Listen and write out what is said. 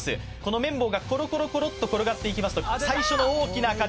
麺棒がコロコロコロッと転がっていきますと最初の大きな課題